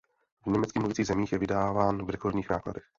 V německy mluvících zemích je vydáván v rekordních nákladech.